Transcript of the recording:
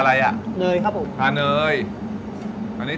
ใส่ตรงนี้